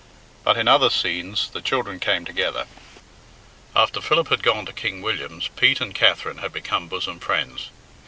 But in other scenes the children came together. After Philip had gone to King William's, Pete and Katherine had become bosom friends.